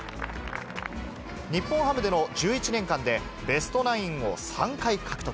日本ハムでの１１年間で、ベストナインを３回獲得。